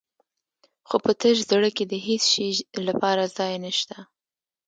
خو په تش زړه کې د هېڅ شي لپاره ځای نه شته.